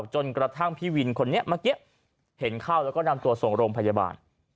จนกระทั่งพี่วินคนนี้เมื่อกี้เห็นเข้าแล้วก็นำตัวส่งโรงพยาบาล